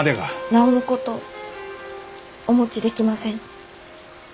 なおのことお持ちできません。